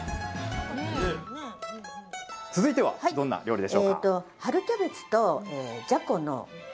続いてはどんな料理でしょうか？